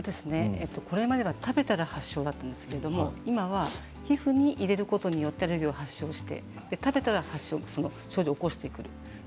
これまでは食べたら発症だったんですが今は皮膚に入れることによってアレルギーを発症して食べたら発症、症状を起こす。